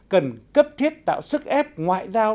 cần cấp thiết tạo sức ép ngoại giao